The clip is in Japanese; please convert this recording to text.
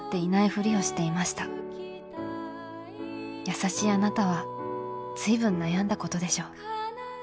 優しいあなたは随分悩んだことでしょう。